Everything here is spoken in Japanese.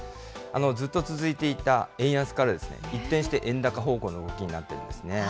ずっと続いていた円安からですね、一転して円高方向の動きになっているんですね。